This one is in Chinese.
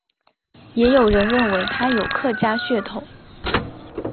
也有人认为他有客家血统。